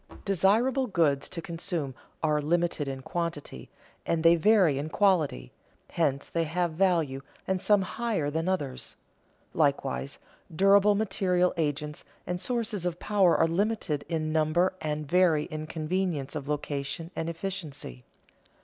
Desirable goods to consume are limited in quantity, and they vary in quality; hence they have value and some higher than others. Likewise, durable material agents and sources of power are limited in number and vary in convenience of location and efficiency.